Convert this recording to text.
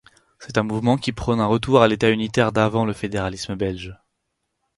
C'est un mouvement qui prône un retour à l'État unitaire d'avant le fédéralisme belge.